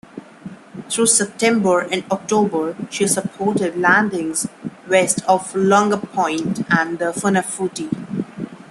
Through September and October, she supported landings west of Lunga Point and on Funafuti.